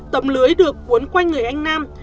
tầm lưới được cuốn quanh người anh nam